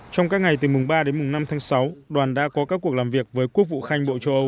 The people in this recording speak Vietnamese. trong các ngày từ mùng ba đến mùng năm tháng sáu đoàn đã có các cuộc làm việc với quốc vụ khanh bộ châu âu